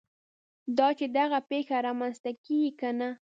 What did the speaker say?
دا چې دغه پېښه رامنځته کېږي که نه.